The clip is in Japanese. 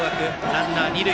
ランナーは二塁。